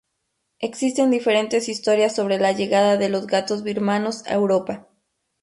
Existen diferentes historias sobre la llegada de los gatos birmanos a Europa.